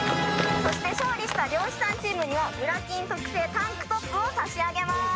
そして勝利した漁師さんチームには『ぶら筋』特製タンクトップを差し上げます！